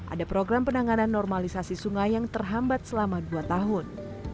ada program penanganan normalisasi sungai yang terhambat selama dua tahun